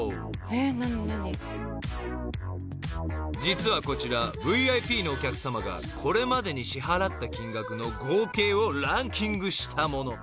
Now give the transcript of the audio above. ［実はこちらＶＩＰのお客さまがこれまでに支払った金額の合計をランキングしたもの］